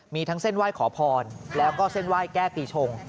มีทั้งเส้นไหว้ขอพรแล้วก็เส้นไหว้แก้ปีชง